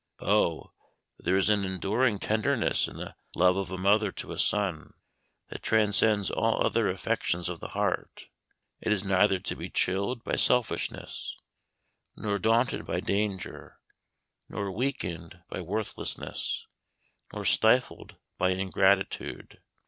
Oh, there is an enduring tenderness in the love of a mother to a son, that transcends all other affections of the heart. It is neither to be chilled by selfishness, nor daunted by danger, nor weakened by worthlessness, nor stifled by ingratitude.